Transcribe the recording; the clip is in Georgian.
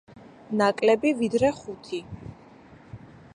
ნაკლები, ვიდრე ხუთი.